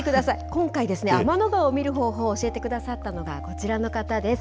今回、天の川を見る方法を教えてくださったのがこちらの方です。